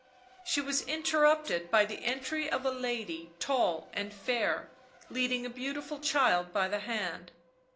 She was interrupted by the entry of a lady tall and fair, leading a beautiful child by the hand.